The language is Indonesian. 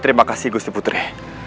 terima kasih gusti putri